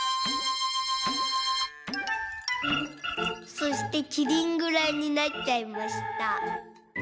「そしてキリンぐらいになっちゃいました。